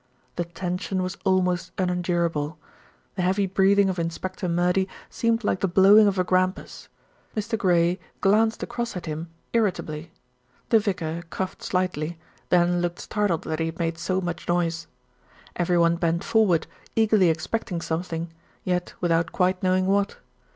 The tension was almost unendurable. The heavy breathing of Inspector Murdy seemed like the blowing of a grampus. Mr. Gray glanced across at him irritably. The vicar coughed slightly, then looked startled that he had made so much noise. Everyone bent forward, eagerly expecting something; yet without quite knowing what.